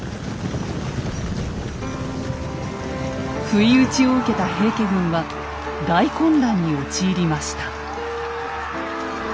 不意打ちを受けた平家軍は大混乱に陥りました。